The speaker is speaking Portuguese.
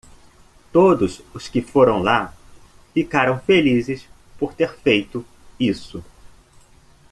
Todos os que foram lá ficaram felizes por ter feito isso.